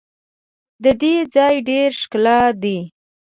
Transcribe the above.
د دې ځای ډېر ښکلا دي.